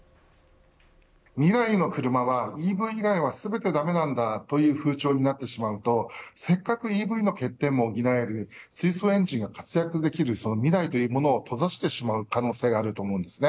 未来の車はＥＶ以外は全てだめなんだという風潮になってしまうとせっかくＥＶの欠点も補える水素エンジンが活躍できる未来を閉ざしてしまう可能性があると思うんですね。